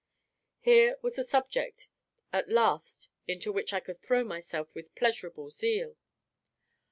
Here was a subject at last into which I could throw myself with pleasurable zeal.